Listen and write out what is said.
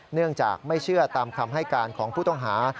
เนื่องจากไม่เชื่อตามคำให้การของผู้ต้องหา